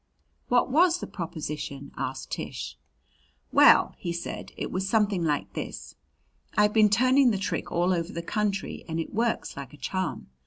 "What was the proposition?" asked Tish. "Well," he said, "it was something like this. I've been turning the trick all over the country and it works like a charm.